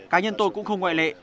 cá nhân tôi cũng không ngoại lệ